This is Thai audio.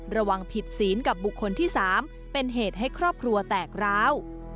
ระวังผิดศีลกับบุคคลที่๓เป็นเหตุให้ครอบครัวแตกร้าว